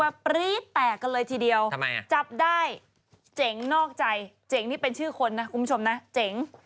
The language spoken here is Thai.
ปรี๊ดแตกกันเลยทีเดียวทำไมอ่ะจับได้เจ๋งนอกใจเจ๋งนี่เป็นชื่อคนนะคุณผู้ชมนะเจ๋ง